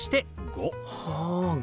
５。